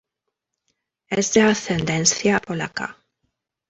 Es de ascendencia polaca.